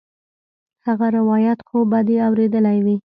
هغه روايت خو به دې اورېدلى وي.